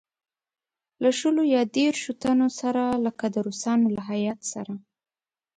له شلو یا دېرشوتنو سره لکه د روسانو له هیات سره.